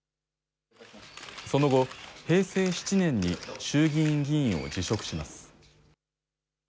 その後、平成７年に衆議院議員を辞職します。